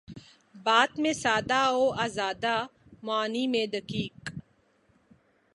بات میں سادہ و آزادہ، معانی میں دقیق